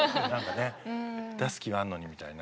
出す気はあんのにみたいな。